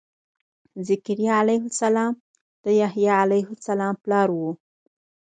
ذکریا علیه السلام د یحیا علیه السلام پلار و.